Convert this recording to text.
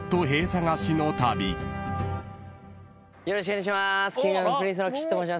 よろしくお願いします。